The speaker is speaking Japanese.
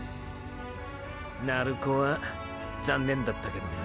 鳴子は残念だったけどな。